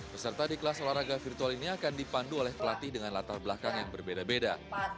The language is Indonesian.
peserta di kelas olahraga virtual ini akan dipandu oleh pelatih dengan latar belakang yang berbeda beda